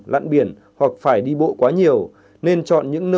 lặn biển hoặc phải đi bộ quá nhiều